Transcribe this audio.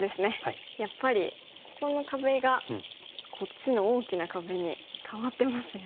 やっぱりここの壁がこっちの大きな壁に変わってますよね。